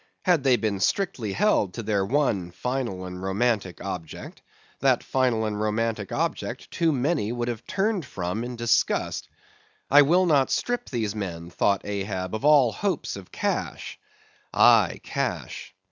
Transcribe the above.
Had they been strictly held to their one final and romantic object—that final and romantic object, too many would have turned from in disgust. I will not strip these men, thought Ahab, of all hopes of cash—aye, cash.